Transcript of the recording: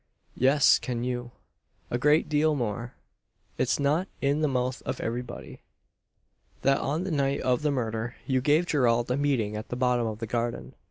"Yes can you; a great deal more. It's not in the mouth of everybody: that on the night of the murder, you gave Gerald a meeting at the bottom of the garden.